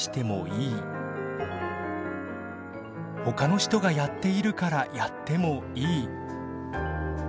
ほかの人がやっているからやってもいい。